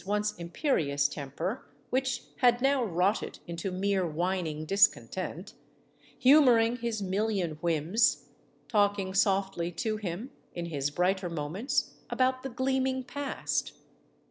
once imperious temper, which had now rotted into mere whining discontent; humoring his million whims; talking softly to him, in his brighter moments, about the gleaming past.